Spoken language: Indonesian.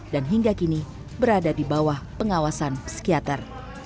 dan hingga kini berada di bawah pengawasan psikiater